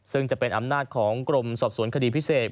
ซึ่งจะเป็นอำนาจของกรมสอบสวนคดีพิเศษ